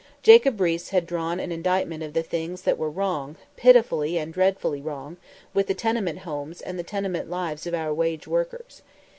Jacob Riis had drawn an indictment of the things that were wrong, pitifully and dreadfully wrong, with the tenement homes and the tenement lives of our wage workers.